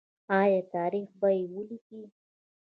آیا تاریخ به یې ولیکي؟